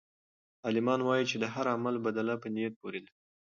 عالمان وایي چې د هر عمل بدله په نیت پورې ده.